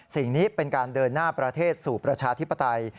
สิ่งนี้เป็นการเดินหน้าประเทศสู่ประชาธิปไตย